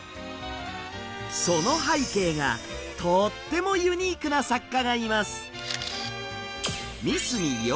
その背景がとってもユニークな作家がいます。